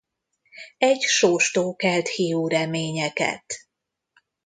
Egy sóstó kelt hiú reményeket.